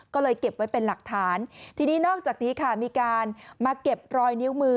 ก็เลยเก็บไว้เป็นหลักฐานทีนี้นอกจากนี้ค่ะมีการมาเก็บรอยนิ้วมือ